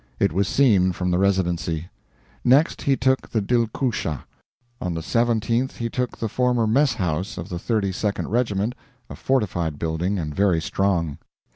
It was seen from the Residency. Next he took the Dilkoosha. On the 17th he took the former mess house of the 32d regiment a fortified building, and very strong.